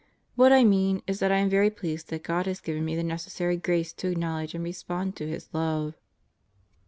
What I mean is that I am very pleased that God has given me the neces sary grace to acknowledge and respond to His love.